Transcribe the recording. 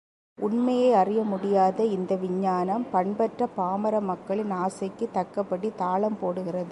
உண்மையை அறிய முடியாத இந்த விஞ்ஞானம் பண்பற்ற பாமர மக்களின் ஆசைக்குத் தக்கபடி தாளம் போடுகிறது.